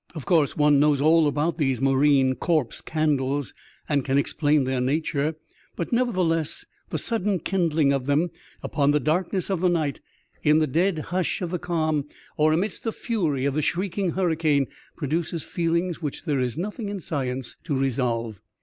Of course, one knows all about these marine corpse candles, and can explain their nature ; but, nevertheless, the sudden kind ling of them upon the darkness of the night, in the dead hush of the calm, or amidst the fury of the shrieking hurricane, produces feelings which there is nothing in science to resolve.